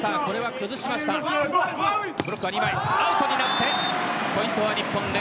アウトになってポイントは日本。